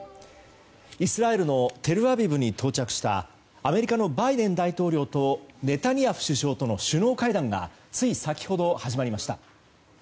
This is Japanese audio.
イスラエルのテルアビブに到着したアメリカのバイデン大統領とネタニヤフ首相との首脳会談がつい先ほど始まりました。